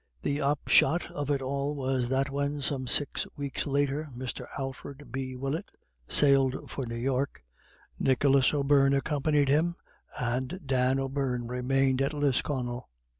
The upshot of it all was that when some six weeks later Mr. Alfred B. Willett sailed for New York, Nicholas O'Beirne accompanied him, and Dan O'Beirne remained at Lisconnel.